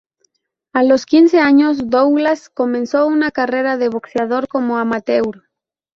A los quince años, Douglas comenzó una carrera de boxeador como amateur.